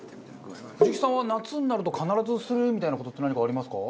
藤木さんは夏になると必ずするみたいな事って何かありますか？